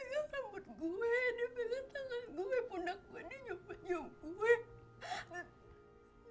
ini dia teman gue ini dia teman gue punak gue ini nyobatnya gue